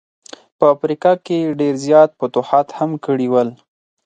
په افریقا کي یې ډېر زیات فتوحات هم کړي ول.